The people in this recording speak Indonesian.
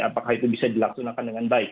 apakah itu bisa dilaksanakan dengan baik